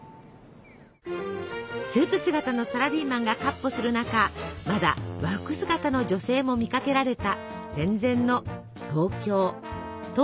スーツ姿のサラリーマンがかっ歩する中まだ和服姿の女性も見かけられた戦前の東京。